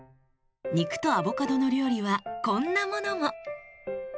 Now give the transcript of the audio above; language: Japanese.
肉とアボカドの料理はこんなものも。